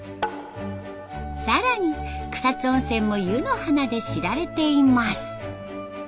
更に草津温泉も湯の花で知られています。